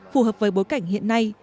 phù hợp với bối cảnh hiện nay